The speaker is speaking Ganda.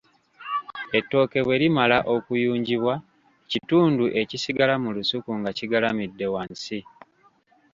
Ettooke bwe limala okuyunjibwa, kitundu ekisigala mu lusuku nga kigalamidde wansi?